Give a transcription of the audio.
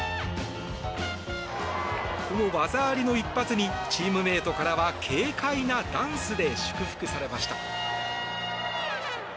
この技ありの一発にチームメートからは軽快なダンスで祝福されました。